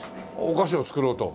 お菓子を作ろうと。